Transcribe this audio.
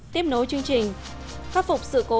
tiếp nối chương trình phát phục sự cố sạt lở sau mưa lũ